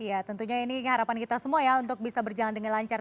iya tentunya ini harapan kita semua ya untuk bisa berjalan dengan lancar